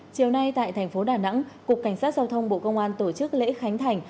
chiều nay tại thành phố đà nẵng cục cảnh sát giao thông bộ công an tổ chức lễ khánh thành